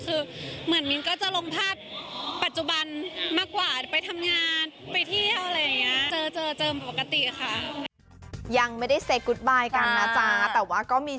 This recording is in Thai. คือเหมือนมิ้นก็จะลงภาพปัจจุบันมากกว่าไปทำงานไปเที่ยวอะไรอย่างนี้